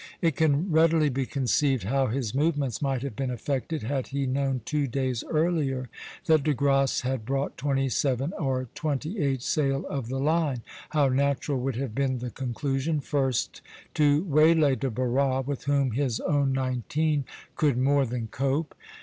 It can readily be conceived how his movements might have been affected, had he known two days earlier that De Grasse had brought twenty seven or twenty eight sail of the line; how natural would have been the conclusion, first, to waylay De Barras, with whom his own nineteen could more than cope.